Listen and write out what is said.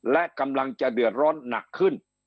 และกำลังจะเดือดร้อนหนักขึ้น